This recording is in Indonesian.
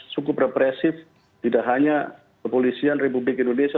cukup represif tidak hanya kepolisian republik indonesia